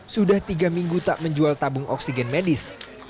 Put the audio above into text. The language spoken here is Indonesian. sudah tiga minggu tak menjual tabung oksigen medis